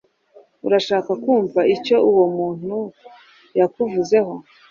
Urashaka kumva icyo uwo muntu yakuvuzeho.